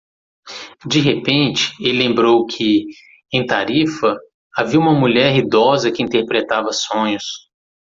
De repente, ele lembrou que? em Tarifa? havia uma mulher idosa que interpretava sonhos.